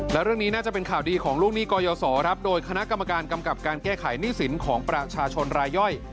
และเรื่องนี้น่าจะเป็นข่าวดีของลูกหนี้กยศครับโดยคณะกรรมการกำกับการแก้ไขหนี้สินของประชาชนรายย่อย